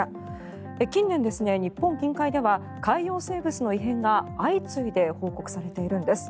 近年、日本近海では海洋生物の異変が相次いで報告されているんです。